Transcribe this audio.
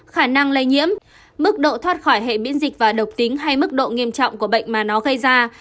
khả năng lây nhiễm mức độ thoát khỏi hệ biễn dịch và độc tính hay mức độ nghiêm trọng của bệnh mà nó gây ra